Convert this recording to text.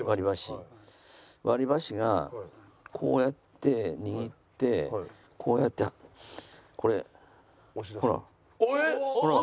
割り箸がこうやって握ってこうやってこれほらほら。